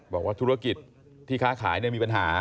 บอกว่าธุรกิจที่ค้าขายมีปัญหา